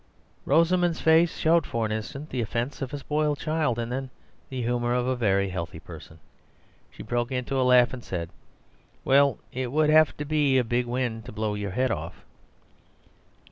Rosamund's face showed for an instant the offence of a spoilt child, and then the humour of a very healthy person. She broke into a laugh and said, "Well, it would have to be a big wind to blow your head off."